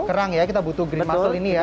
kerang ya kita butuh green muscle ini ya